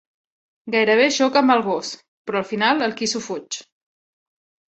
Gairebé xoca amb el gos, però al final el quisso fuig.